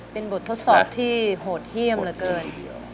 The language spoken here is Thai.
เป็นบททดสอบที่โหดเยี่ยมเหลือเกิน